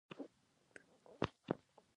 ټولواک دې کورني پانګوونکي وهڅوي.